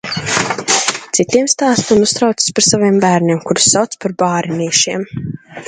Citiem stāsta un uztraucas par saviem bērniem, kurus sauc par bārenīšiem.